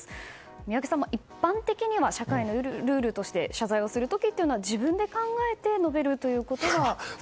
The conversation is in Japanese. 宮家さん、一般的には社会のルールとして謝罪する時は自分で考えて述べるということが普通。